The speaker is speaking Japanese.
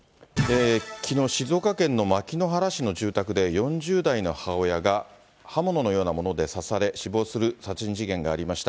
きのう、静岡県の牧之原市の住宅で４０代の母親が、刃物のようなもので刺され、死亡する殺人事件がありました。